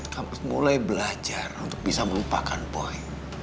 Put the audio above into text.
kamu harus mulai belajar untuk bisa melupakan boy